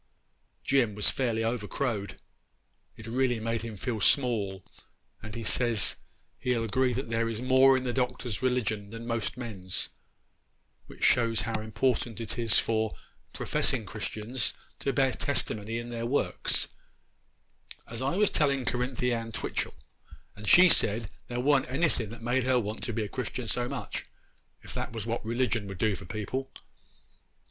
Jim was fairly over crowed—it really made him feel small, and he says he'll agree that there is more in the Doctor's religion than most men's, which shows how important it is for professing Christians to bear testimony in their works—as I was telling Cerinthy Ann Twitchel, and she said there wa'n't anything made her want to be a Christian so much, if that was what religion would do for people.